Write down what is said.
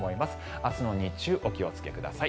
明日の日中お気をつけください。